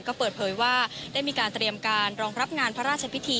ก็เปิดเผยว่าได้มีการเตรียมการรองรับงานพระราชพิธี